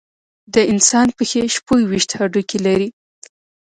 د انسان پښې شپږ ویشت هډوکي لري.